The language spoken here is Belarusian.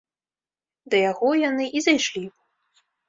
Да яго яны і зайшлі.